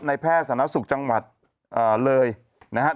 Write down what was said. ในแพทย์สนับสุขจังหวัดเลยนะครับ